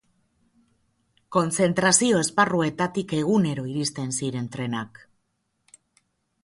Kontzentrazio esparruetatik egunero iristen ziren trenak.